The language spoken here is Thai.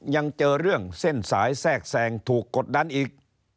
ยังเจอเรื่องเส้นสายแทรกแทรงถูกกดดันอีก